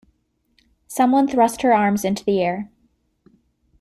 Someone thrust her arms into the air.